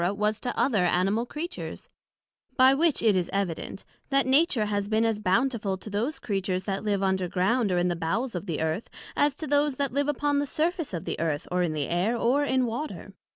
was to other Animal Creatures: By which it is evident, That Nature has been as bountiful to those Creatures that live underground, or in the bowels of the Earth, as to those that live upon the surface of the Earth, or in the Air, or in Water.